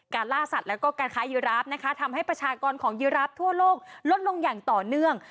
ล่าสัตว์แล้วก็การค้ายีราฟนะคะทำให้ประชากรของยีราฟทั่วโลกลดลงอย่างต่อเนื่อง